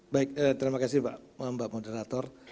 baik terima kasih mbak moderator